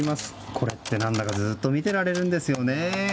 これって、何だかずっと見ていられるんですよね。